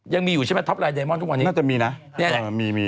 ยังมีอยู่ใช่ไหมท็อปลายเดมอนทุกวันนี้น่าจะมีนะมีมี